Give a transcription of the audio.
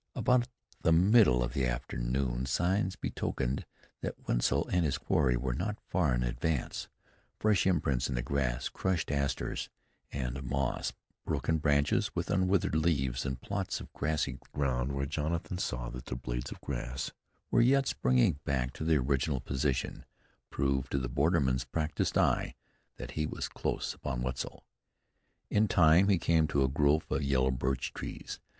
About the middle of the afternoon signs betokened that Wetzel and his quarry were not far in advance. Fresh imprints in the grass; crushed asters and moss, broken branches with unwithered leaves, and plots of grassy ground where Jonathan saw that the blades of grass were yet springing back to their original position, proved to the borderman's practiced eye that he was close upon Wetzel. In time he came to a grove of yellow birch trees.